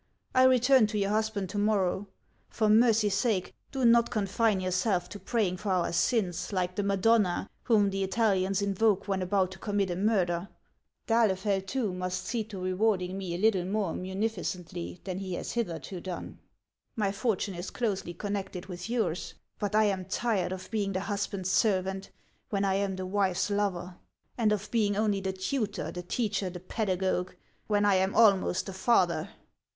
I return to your husband to morrow. For mercy's sake, do not confine yourself to praying for our sins, like the Madonna whom the Italians invoke when about to commit a murder! D'Ahlefeld, too, must see to rewarding me a little more munificently than he has hitherto done. My fortune is closely connected with yours ; but I am tired of being the husband's servant when I am the wife's lover, and of being only the tutor, the teacher, the pedagogue, when I am almost the father."